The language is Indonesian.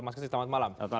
mas kesit selamat malam